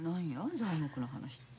材木の話って。